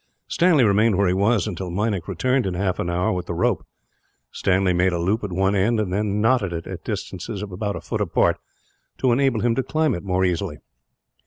Stanley remained where he was until Meinik returned, in half an hour, with the rope. Stanley made a loop at one end; and then knotted it, at distances of about a foot apart, to enable him to climb it more easily.